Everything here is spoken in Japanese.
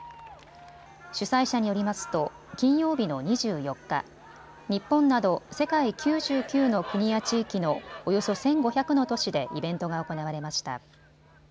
主催者によりますと金曜日の２４日、日本など世界９９の国や地域のおよそ１５００の都市でイベントが行われました。